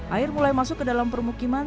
air mulai masuk ke dalam permukiman